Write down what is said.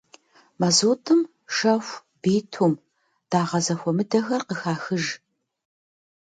Мазутӏым шэху, битум, дагъэ зэхуэмыдэхэр къыхахыж.